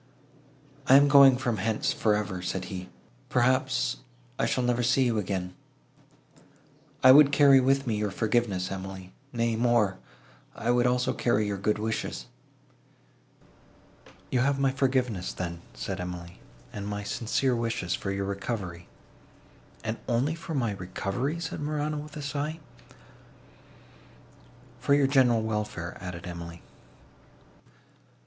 "I am going from hence for ever," said he: "perhaps, I shall never see you again. I would carry with me your forgiveness, Emily; nay more—I would also carry your good wishes." "You have my forgiveness, then," said Emily, "and my sincere wishes for your recovery." "And only for my recovery?" said Morano, with a sigh. "For your general welfare," added Emily.